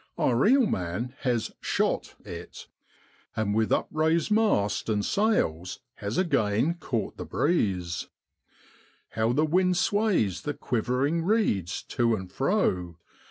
Our eel man has ' shot ' it, and with upraised mast and sails has again caught the breeze. How the wind sways the quivering reeds to and fro!